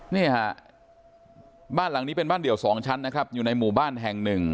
นี่ฮะบ้านหลังนี้เป็นบ้านเดี่ยวสองชั้นนะครับอยู่ในหมู่บ้านแห่งหนึ่ง